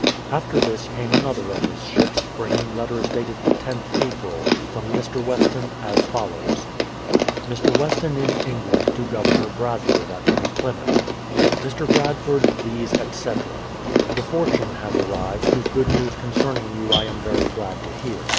After this came another of his ships, bringing letters dated the loth April, from Mr. Weston, as follows. Mr. Weston in England to Governor Bradford at New Plymouth:] Mr. Bradford, these, etc. The Fortune has arrived, whose good news concerning you I am very glad to hear.